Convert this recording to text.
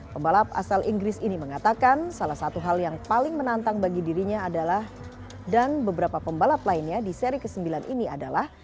pembalap asal inggris ini mengatakan salah satu hal yang paling menantang bagi dirinya adalah dan beberapa pembalap lainnya di seri ke sembilan ini adalah